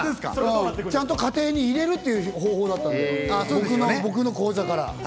ちゃんと家庭に入れるという方法だった、僕の口座から。